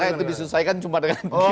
gimana itu disesuaikan cuma dengan gini